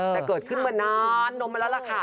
แต่เกิดขึ้นเมื่อนั้นน้ำมันแล้วล่ะค่ะ